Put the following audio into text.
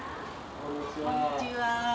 こんにちは。